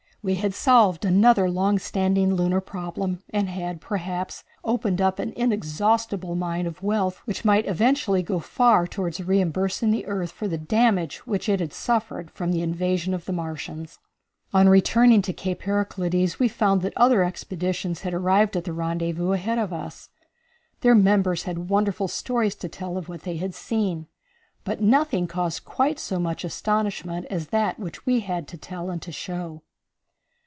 We had solved another long standing lunar problem and had, perhaps, opened up an inexhaustible mine of wealth which might eventually go far toward reimbursing the earth for the damage which it had suffered from the invasion of the Martians. On returning to Cape Heraclides we found that the other expeditions had arrived at the rendezvous ahead of us. Their members had wonderful stories to tell of what they had seen, but nothing caused quite so much astonishment as that which we had to tell and to show.